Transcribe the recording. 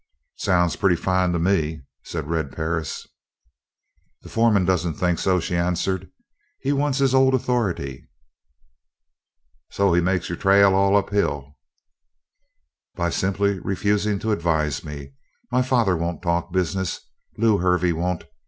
"It sounds pretty fine to me," said Red Perris. "The foreman doesn't think so," she answered. "He wants his old authority." "So he makes your trail all uphill?" "By simply refusing to advise me. My father won't talk business. Lew Hervey won't.